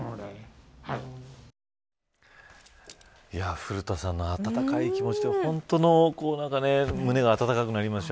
古田さんの温かい気持ちで本当に胸が温かくなりました。